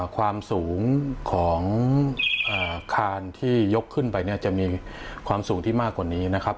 ความสูงของคานที่ยกขึ้นไปเนี่ยจะมีความสูงที่มากกว่านี้นะครับ